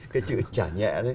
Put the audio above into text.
cái chữ chả nhẽ